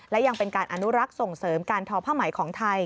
และยังเป็นการอนุรักษ์ส่งเสริมการทอผ้าไหมของไทย